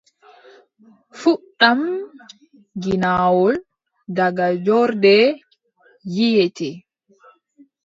Fuɗɗam ginnawol, daga joorde yiʼété.